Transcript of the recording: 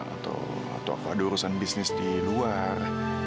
atau ada urusan bisnis di luar